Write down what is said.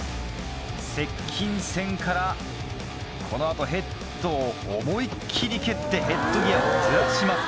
接近戦からこの後ヘッドを思いっきり蹴ってヘッドギアをずらします。